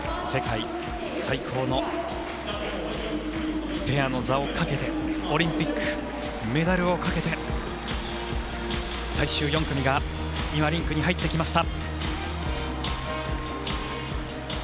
世界最高のペアの座をかけてオリンピック、メダルをかけて最終４組がリンクに入ってきました。